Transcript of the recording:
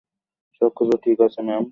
সবকিছু ঠিক আছে, ম্যাম?